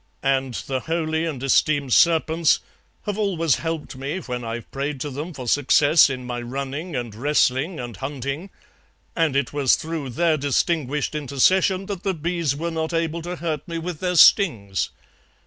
And the holy and esteemed serpents have always helped me when I've prayed to them for success in my running and wrestling and hunting, and it was through their distinguished intercession that the bees were not able to hurt me with their stings.